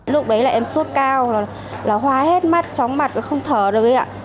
lúc đấy là em sốt cao là hoá hết mắt tróng mặt không thở được